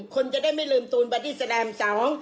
คนจะได้ไม่ลืมตูนบัดดี้แสดงสอง